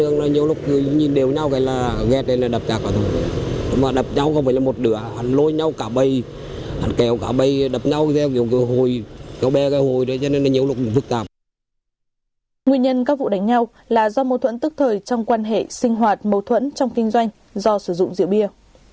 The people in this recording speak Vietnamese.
nguyên nhân các vụ đánh nhau là do mâu thuẫn tức thời trong quan hệ sinh hoạt mâu thuẫn trong kinh doanh do sử dụng rượu bia